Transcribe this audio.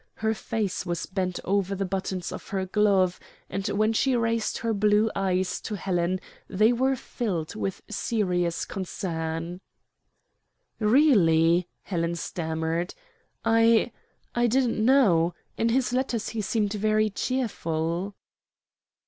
Her face was bent over the buttons of her glove, and when she raised her blue eyes to Helen they were filled with serious concern. "Really," Helen stammered, "I I didn't know in his letters he seemed very cheerful."